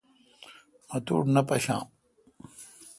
مہ توٹھے نہ پشام۔